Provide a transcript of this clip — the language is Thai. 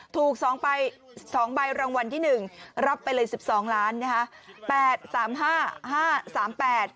ถูก๒ใบรางวัลที่๑รับไปเลย๑๒ล้านนะฮะ